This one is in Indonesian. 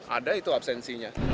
ada itu absensinya